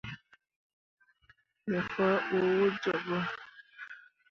Me faa ɓu wǝ jooɓǝ.